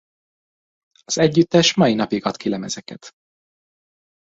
Az együttes mai napig ad ki lemezeket.